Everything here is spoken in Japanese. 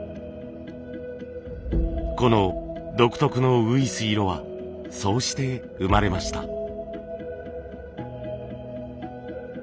この独特のうぐいす色はそうして生まれました。